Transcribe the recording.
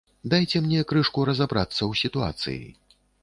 Дайце мне крышку разабрацца ў сітуацыі.